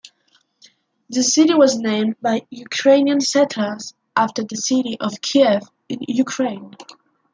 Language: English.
The city was named by Ukrainian settlers after the city of Kiev in Ukraine.